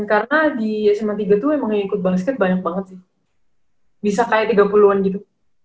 karena di sma tiga tuh emang yang ikut basket basket banyak banget sih bisa kayak tiga puluh an gitu